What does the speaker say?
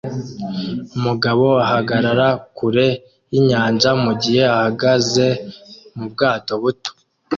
Umugabo ahagarara kure yinyanja mugihe ahagaze mubwato buto